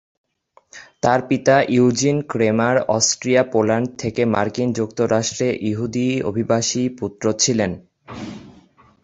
তার পিতা Eugene Kremer Austria-Poland থেকে মার্কিন যুক্তরাষ্ট্রে ইহুদি অভিবাসীর পুত্র ছিলেন।